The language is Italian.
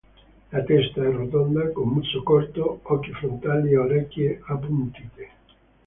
La testa è rotonda, con muso corto, occhi frontali e orecchie appuntite.